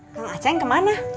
kang aceh yang kemana